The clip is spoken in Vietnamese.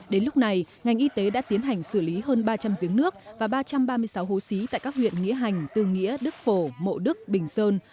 đến lúc này ngành y tế đã tiến hành xử lý hơn ba trăm linh giếng nước và ba trăm ba mươi sáu hố xí tại các huyện nghĩa hành tư nghĩa đức phổ mộ đức bình sơn